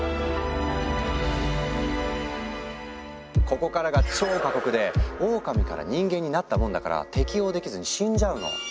ここからが超過酷でオオカミから人間になったもんだから適応できずに死んじゃうの。